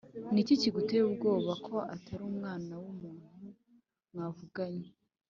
Niki kiguteye ubwoba ko Atari umwana wumuntu mwavuganye